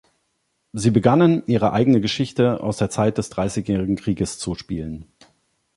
Sie begannen, ihre eigene Geschichte aus der Zeit des Dreißigjährigen Krieges zu spielen.